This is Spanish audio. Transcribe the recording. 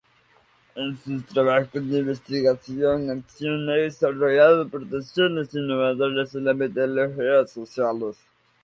En sus trabajos de investigación-acción ha desarrollado aportaciones innovadoras a las metodologías sociales.